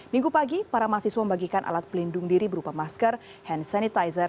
minggu pagi para mahasiswa membagikan alat pelindung diri berupa masker hand sanitizer